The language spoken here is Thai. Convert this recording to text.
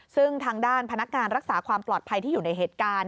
ซึ่งทางด้านพนักงานรักษาความปลอดภัยที่อยู่ในเหตุการณ์